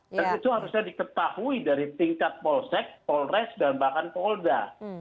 dan itu harusnya diketahui dari tingkat polsek polres dan bahkan polda